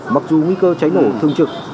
mặc dù nguy cơ cháy nổ thương trực